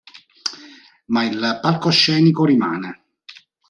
Ma il palcoscenico rimane.